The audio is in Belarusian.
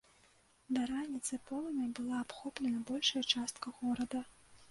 Да раніцы полымем была абхоплена большая частка горада.